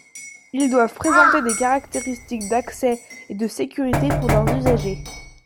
Ils doivent présenter des caractéristiques d’accès et de sécurité pour leurs usagers.